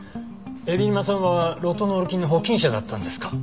海老沼さんはロトノール菌の保菌者だったんですか？